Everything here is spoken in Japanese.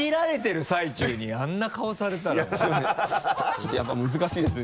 ちょっとやっぱ難しいです。